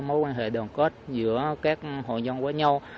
đảm bảo mối quan hệ đảo trường xe giữa các hội nhân với nhau